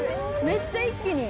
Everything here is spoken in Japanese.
めっちゃ一気に。